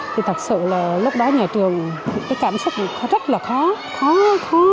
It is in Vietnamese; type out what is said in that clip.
thì thật sự là lúc đó nhà trường cảm xúc rất là khó khó khó